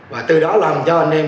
và từ đó làm cho anh em